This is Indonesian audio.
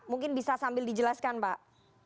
mungkin bisa sambil dijelaskan pak